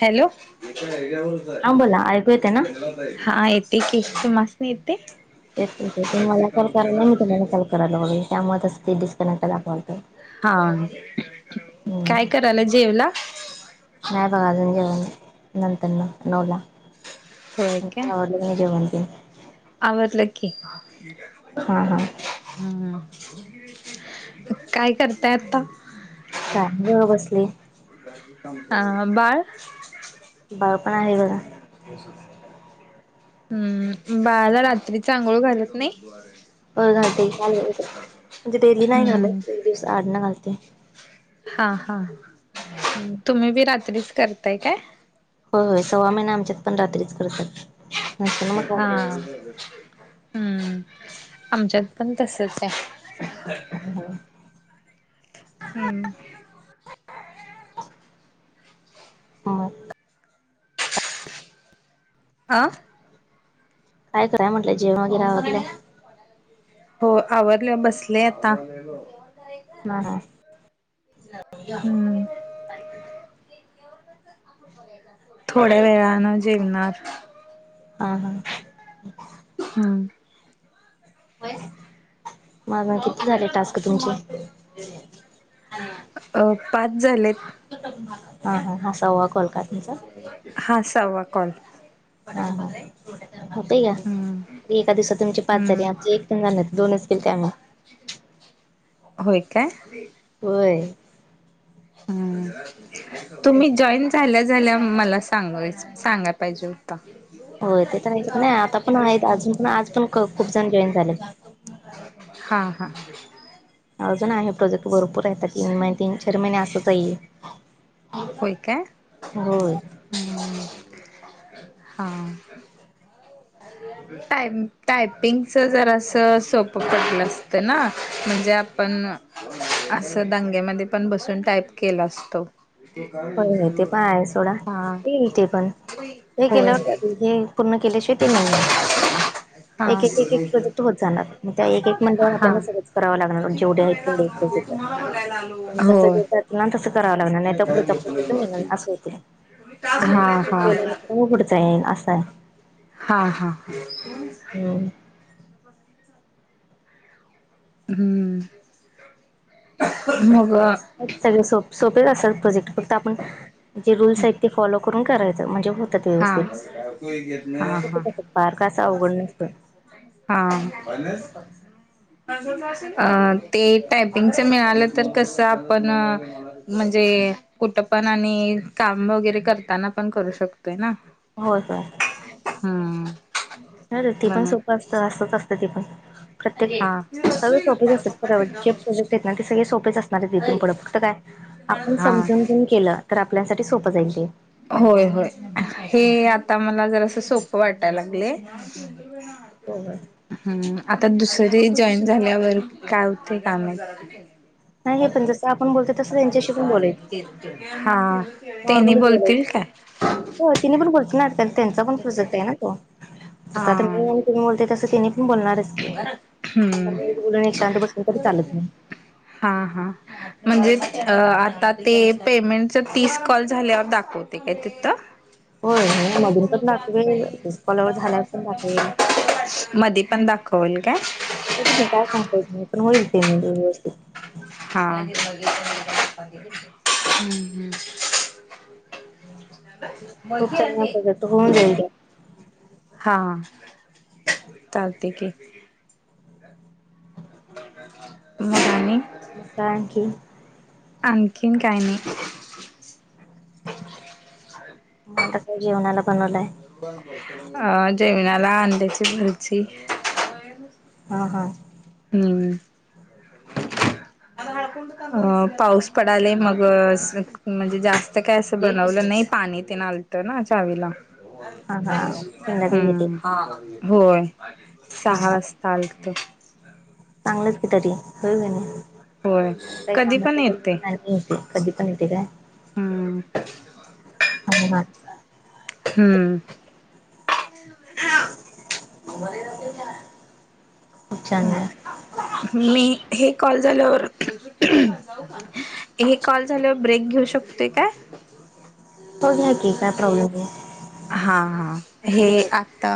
Hello, नुसतं हेच्यावरच हा बोला ऐकू येते ना हाय जंगलात. हा येते की, तुमासनी येतंय? एक तर तुम्ही मला कॉल करालाय, मी तुम्हाला कॉल कराय लागलोय त्यामुळ ते डिस्कनेक्ट दाखवालंय हा, काय हम्म करालाय जेवला? नाही बघा अजून जेवण नंतरन नऊला होय काय लग्न जेवण तेन आवरलं की हा हा हम्मं काय करताय आता? काय ग बसले हा बाळ? बाळ पण आहे बघा हम्म, बाळाला रात्रीचं आंघोळ घालत नाही हो घालते की म्हणजे डेली नाही हम्म घालत, एक दिवस आडन घालते हां हा [unintelligible] तुम्ही बी रात्रीच करताय काय? हो होय सव्वा महिने आमच्यात पण रात्रीच करतात नंतर न मग हां ऑफिस. हम्म, आमच्यात पण तसचं हाय होय हम्म हां आ. काय कराय म्हनलं जेवन वगैरे आवरल? हो आवरल बसले आता. काय गो जेवण करायच. मा हा, हम्म [unintelligible] थोड्या वेळानं जेवणार. आ हा. हम्म. होय, म आता किती झाले टास्क तुमचे? [unintelligible] अ पाच झालेत. हा हा हा सवा कॉल काय तुमचा? हा सहावा कॉल हा हा, होतय घ्या, हम्म दि एका दिवसात तुमचे पाच हम्म झाले आमचे तीन राहिल्यात दोनच केलते आम्ही. होय काय? होय. अ, तुम्ही जॉईन झाल्या झाल्या मला सांगायच, सांगाय पाहिजे होय ते तर हाय कणी आता पण आहेत अजून पण आज पण खूप जण जॉईन झालेत. हा हा. अजून आहे प्रोजेक्ट भरपूर आहे आता तीन महिने तीन चार महिने असंच आहे हे. होय काय होय. हा. [unintelligible] टायम, टायपिंगच जरास सोपं पडल असत ना म्हणजे आपण अस दंग्यामध्ये पण बसून टाईप केलो असतो. होय होय ते पण आहे सोडा हा, येईल ते पण. हे होय. केल्यावर हे पूर्ण केल्याशिवाय ते नाही [unintelligible] हा एक एक एक प्रोजेक्ट होत जाणार, म त्या एक एक म्हणल्या हा आपल्याला सगळच कराव लागणार जेवढे आहेत तेवढे प्रोजेक्ट. जस होय देतात ना तसं करावं लागणार नाही तर पुढचा प्रोजेक्ट मीनल अस होतय, तवं, हा हे हा केल्यानंतर म पुढच हाय असा आहे. हा हा. हम्म. [inaudible] हम्म, मग सगळे सोप-सोपेच असतात प्रोजेक्ट फक्त आपण, जे रुलस आहेत ते फॉलो करून करायचं म्हणजे हो हा, हा हा. होतात पार काय असं अवघड नसतं आ फणस. अ ते टायपिंगच मिळालं तर कसं आपण म्हणजे, कुठं पण आणि काम वगैरे करताना पण करू शक तय ना, होय होय हम्म. नाही रे ते पण म्हणून सोपं असत असच असत ते पण. प्रत्येक, हा सगळे सोपेच असतात [unintelligible] तेत नान ते सगळे सोपेच असणार इथून पुढं फक्त काय, आपण हा समजून तुन केलं तर आपल्यासाठी सोपं जाईल ते. होय होय, हे आता मला जरास सोपं वाटाय लागलय. [unintelligible] हो का. हम्म आता दुसरे जॉईन झाल्यावर काय होतय काय माहित. नाही पण जसं आपण बोलतो तसं त्यांच्याशी पण बोलायचं. हा. त्यांनी नॉर्मली बोलायच बोलतील काय हो तिने पण बोलत ना त्यांचा पण प्रोजेक्ट आहे ना तो जसं हा आता मी आणि तुम्ही बोलतो तस तिनी पण बोलणारच. हम्म ब एक शांत बसून पण चालत नाही. हा हा म्हणजे आता ते पेमेंटच तीस कॉल झाल्यावर दाखवतय काय तिथ? होय हो मधून पण दाखवेल कॉलवर झाल्यावर पण दाखवेल [unintelligible] मध्ये पण दाखवल काय? का नाही काय सांगतायेत नाही पण होईल ते मग व्यवस्थित. हा. खूप चांगला प्रोजेक्ट होऊन जाईल की [unintelligible] हां चालतय की, मग आणि, थँक्यू. आणखीन काही नाही. आता काय जेवणाला बनवलाय? अ जेवणाला अंड्याची बुर्जी. हा हा हम्म अ हळकुंड अ पाऊस पडालय मग म्हणजे जास्त काय असं बनवलं नाही पाणी तेन आल त ना चावीला हा हा संध्याकाळी येते हम्म हा. होय हा सहा हा वाजता आलत. चांगलंच की तरी होय कनी होय काय कधी काम पण असल येतय तर येतंय कधी पण येतंय काय? हम्म हम्म [unintelligible] खूप छान आहे मी हे कॉल झाल्यावर हे कॉल झाल्यावर ब्रेक घेऊ शकतोय काय? तो घ्या की काय प्रॉब्लेम नाही. हा हा हे घ्या आ आता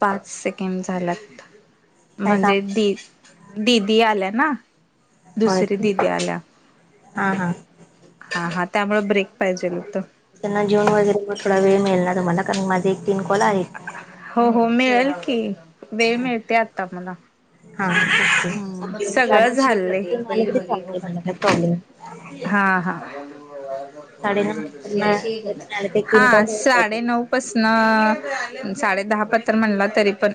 पाच सेकेंड झाल्यात काय म्हणजे काम दी दिदी आल्या ना होय दुसरी काय दिदी आल्या हा हा हा हा त्यामुळे ब्रेक पाहिजेल होत. त्यांना जेवन वगैरे थोडा वेळ मिळणार तुम्हाला कारण माझ एक तीन कॉल आहे. हो हो मिळेल की वेळ मिळतय आता मला. हा ओके साडे सगळं नऊ झालं नंतर आले बैल तरी चालते मला काही प्रॉब्लेम हा हा साडेनऊ नंतर ते तीन हा कॉल होऊन जातील साडे नऊ पसन साडे दहा पतर म्हणलं तरी पण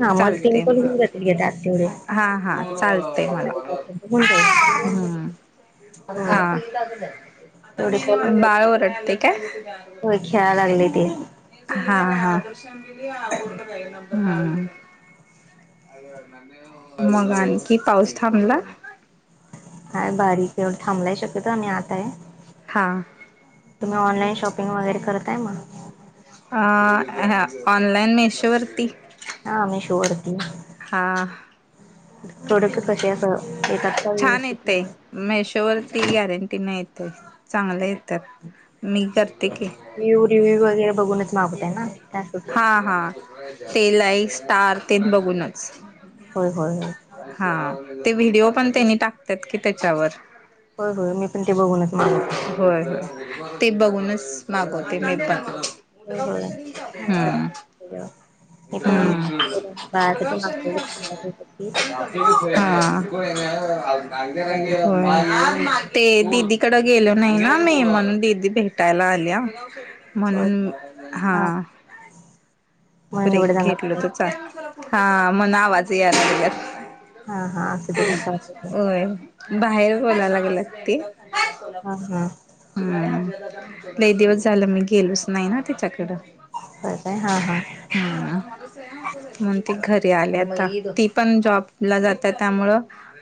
हा मग तिन कॉल घेऊन जातील हे त्यात तेवढे. हां हां चालतेय पाच मलां साडेपाच पर्यंत होऊन जाईल हम्मं हो हां तेवढे कॉल होऊन बाळं जातील वोरडतेय कायं होय खेळायला लागले ते हां हां हम्मं मले लागणारं नाहीं हो मंग आणखी पाऊस थांबला हांय बारीक एवढ थांबलाय शक्यतोवर मी आंत हांय हां तुम्हीं ऑनलाईन शॉपिंग वगैरें करताय मंग हां ऑनलाईन मेशोवरती हां मेशोवरती हां थोडं कशी असं येतांत छांन हांयत ते मेशोवरती गॅरंटीन नाहीं येतंय चांगले येतांत मी करते की विव्हूं रिव्हूं वगैरें बघूंनचं मागूं यांत नां हां हां ते लाईक स्टार्स ते बघूंनचं होयं होयं हो हां ते व्हिडिओ पणं तेनी टाकतांत की त्यांच्यावर होयं होयं मी पणं ते बघूंनचं मागवतो होयं ते बघूंनचं मागवते मी पणं असं चं हेयं ते पणं हम्म बरोबर बाबां साठी मागितली होयं ते दिदी कडं गेलो न्हांय नां मी म्हणूंन दिदी भेटांयला आंल्या होय म्हणूंन हां हा म्हणून एवढं ब्रेक सांगत घेतलं होते तं चालं हां मणं नावांज यांल असते हा हा असू दे घ्या चालतंय की त्यांत हं होयं बाहेर बोलांयला गेलंत ते हा हा हम्मं लंय दिवसं झालं मी गेलोच नांय नां तीच्यांकडं हो कायं हां हां हां मंग ती घरी आली आंता ती पणं जॉब- जॉबलां जातांत त्यामुळं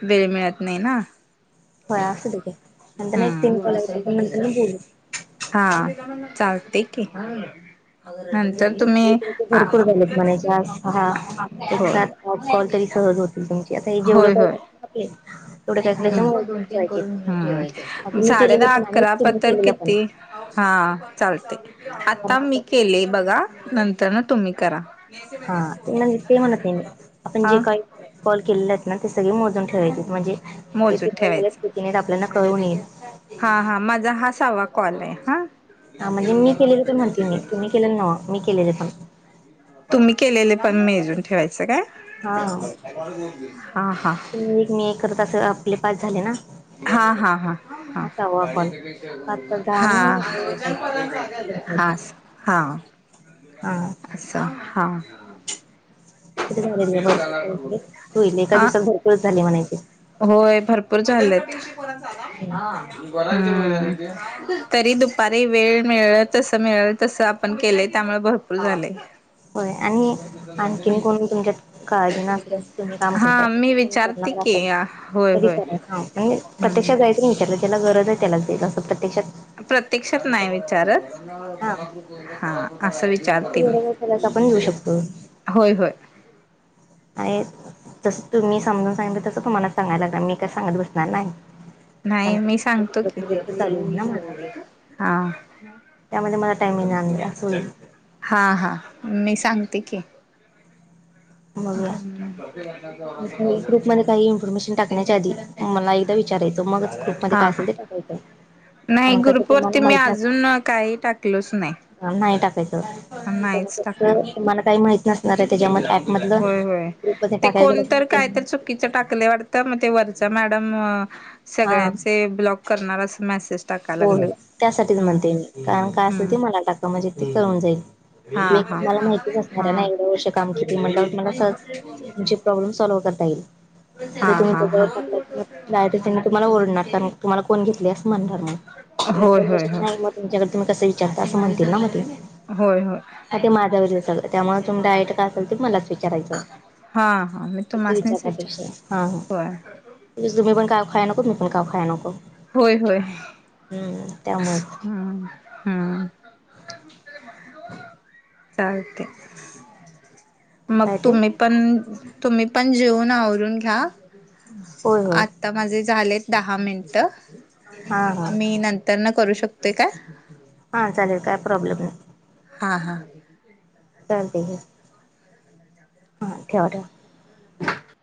वेळं मिळतं नाई नां होयं असं ठीके नंतर एक तीनं कॉल यायंचा नंतर मी गेली हां चालते की नाहीं नंतर तुम्ही आ भरंपूर झालेत म्हणांयच्या हां होय एतक्यांत आंज कॉल तरी करुंण आंता जेवढं होय कॉल होय अजुंन हम्म मी केलेले पणं आणि तीने केलेलं पणं हां चालते आंता मी केले बघां नंतर नं तुम्हीं करां हां ते विकल म्हणां ते म्हणतं नाई मी आपणं जे हा कायं- कॉल केलेलांत नां ते सगळें मोजूंन ठेवायचे म्हणजे कीती मोजून कॉल झालेत ते- पेमेंट आपल्यांलना कळूंन येईल हां हां माझां हां सावा कॉल आहे हां म्हणजे मी केलेले पणं म्हणते मी तुम्हीं केलेलं नांव मी केलेलं पणं तुम्हीं केलेले पणं मेजर ठेवायचं हा कायं हां हां [unintelligible] परत कसं आपले पाच झाले ना. हा हा हा हा. सहावा कॉल पाच तर दहा हा आणि अकरावा कॉल मोजून ठेवायचे हास आपण हा. हा. असं हां. [unintelligible] एका हा दिवसाला भरपुर झाले म्हणायचे. होय भरपूर झालेत. हं तरी दुपारी वेळ मिळंल तसं मिळंल तसं आपण केलंय त्यामुळे भर पूर झालेय. होय आणि आणखीन कोणी तुमच्यात काळजी न असं तसं तुम्ही काम करताय हा मी विचारते करणार की असाल होय तरी होय करा हां. आणि हम्म प्रत्यक्षात जायचं अन् विचारलं ज्याला गरजाय त्यालाच देईल असं प्रत्यक्षात प्रत्यक्षात नाय विचारत हा हा अस वि चार ते मी गरज त्यालाच आपण देऊ शकतो होय होय. आणि तसं तुम्ही समजून सांगितलं तसं तुम्हाला सांगायल लागणार मी काय सांगत बसणार नाही. कारण नाही मी सांगतो दुसरं की प्रोजेक्ट चालू होईल ना माझा हा. त्यामध्ये मला टाईम मीळालं नाई असं होईल. हा हा मी सांगते की. बघूया [unintelligible] ग्रुपमध्ये काई इन्फॉर्मेशन टाकण्याच्या आधी मला एकदा विचारायचं मगच ग्रुप मध्ये काय असेल ते टाकायचं. नाई कारण कसं तुम्हाला ग्रुपवरती मी अजून न काई टाकलोच नाई. अं नाय टाकायचं कारण टाकलो कसं तुमाला काई माहित नसणाराय त्याच्या मधे अँप होय होय ते कोणतर काय त्यांना तर चू कीचं टाकलय वाटतं म ते वरच मॅडम हा सगळ्यांचे ब्लॉक करणार अस मेसेज टाकाय हो लागलं हो त्यासाठीच हम्म म्हणते मी कारण काय असल हम्म ते मला टाका म्हणजे ती कळून जाईल. हा हा मला माहितीच असणार आहेन हा एवढे वर्ष काम केले म्हणल्यावर मला सहज तुमचे प्रॉब्लेम सोल्व करता येईल. हा जर तुम्ही हा त्याच्यावर हा टाकलं किंवा तुम्हाला ओरढणार कारण तुम्हाला कोण घेतली असं म्हणणार मग होय रेफरन्स होय मशिन होय नाही मग तुमच्याकडे तुम्ही कसं विचारता असं म्हणतील ना म ते होय होय. ह ते माझ्यावर आहे सगळं त्यामुळे तुम्ही डायरेक्ट काय असेल मलाच विचार विचारायचं हा हा मी तिथं तुम्हासनीच विचार विचारण्यापेक्षा हा हा. होय तुम्ही पण काव खाया नको आणि मी पण काव खाया नको. होय होय हम्म त्यामुळेच हम्. हम्म चालतेय. मग काय ते तुम्ही पण तुम्ही पण जेऊन आवरून घ्या. होय होय आता माझे झालेत दहा मिनिटं हां हां मी नंतर न करू शकतोय काय? हा चालेल काय प्रॉब्लेम नाही. हा हा. चालतेय की हा ठेवा ठेवा. ह